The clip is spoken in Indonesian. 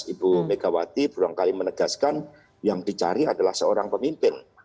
ibu megawati berulang kali menegaskan yang dicari adalah seorang pemimpin